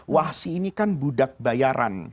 wahsi ini kan budak bayaran